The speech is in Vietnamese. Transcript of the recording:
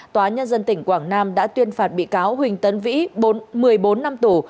tòa nhân dân tỉnh quảng nam đã tuyên phạt bị cáo huỳnh tấn vĩ một mươi bốn năm tù